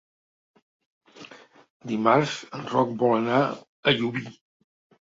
Dimarts en Roc vol anar a Llubí.